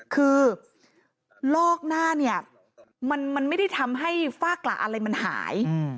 คือลอกหน้าเนี่ยมันไม่ได้ทำให้ฝ้ากระอะไรมันหาย